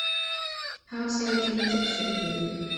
烤西京漬鱈魚